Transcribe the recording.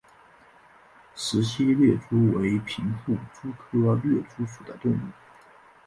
石隙掠蛛为平腹蛛科掠蛛属的动物。